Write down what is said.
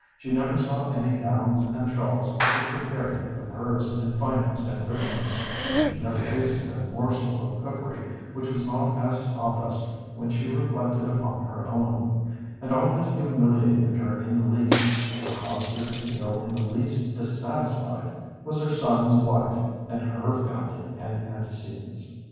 She never saw any gowns and shawls which compared with hers in fineness and richness; she never tasted a morsel of cookery which was not as sawdust when she reflected upon her own; and all that humiliated her in the least, or caused her to feel in the least dissatisfied, was her son's wife and her family and antecedents.